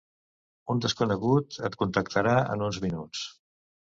Un desconegut et contactarà en uns minuts.